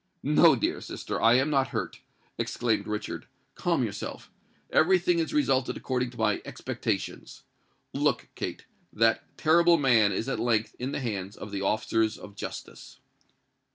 "No, dear sister—I am not hurt," exclaimed Richard. "Calm yourself. Every thing has resulted according to my expectations. Look, Kate—that terrible man is at length in the hands of the officers of justice."